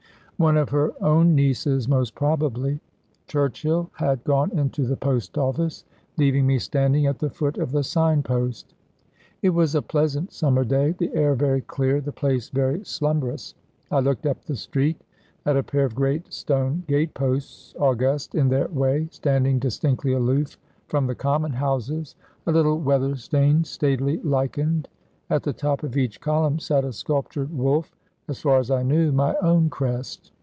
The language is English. One of her own nieces, most probably. Churchill had gone into the post office, leaving me standing at the foot of the sign post. It was a pleasant summer day, the air very clear, the place very slumbrous. I looked up the street at a pair of great stone gate posts, august, in their way, standing distinctly aloof from the common houses, a little weather stained, staidly lichened. At the top of each column sat a sculptured wolf as far as I knew, my own crest.